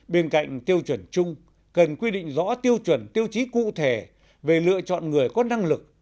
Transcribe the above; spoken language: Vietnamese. bên cạnh tiêu chuẩn chung cần quy định rõ tiêu chuẩn tiêu chí cụ thể về lựa chọn người có năng lực